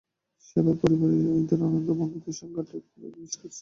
সেবার পরিবারের সঙ্গে ঈদের আনন্দ, বন্ধুদের সঙ্গে আড্ডা খুবই মিস করেছি।